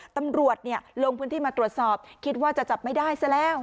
ตำรวจลงพื้นที่มาตรวจสอบคิดว่าจะจับไม่ได้ซะแล้ว